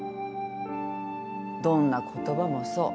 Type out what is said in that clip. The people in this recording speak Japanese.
どんな言葉もそう。